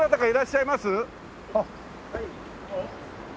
はい。